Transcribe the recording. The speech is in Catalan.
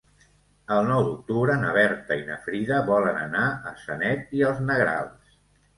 El nou d'octubre na Berta i na Frida volen anar a Sanet i els Negrals.